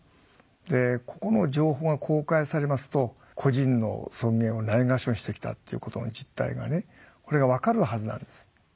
でここの情報が公開されますと個人の尊厳をないがしろにしてきたっていうことの実態がねこれが分かるはずなんです。